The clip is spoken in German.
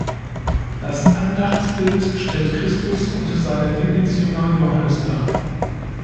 Das Andachtsbild stellt Christus und seinen Lieblingsjünger Johannes dar.